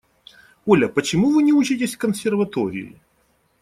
Оля, почему вы не учитесь в консерватории?